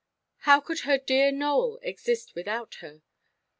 "How could her dear Nowell exist without her?